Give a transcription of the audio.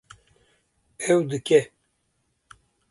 Ew dike